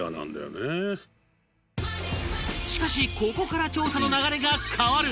しかし、ここから調査の流れが変わる！